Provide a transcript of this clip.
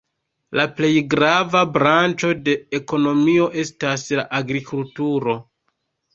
La plej grava branĉo de ekonomio estas la agrikulturo.